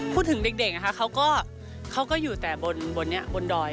พูดถึงเด็กเขาก็อยู่แต่บนดอย